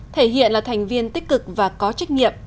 thể hiện là thành viên tích cực và có trách nhiệm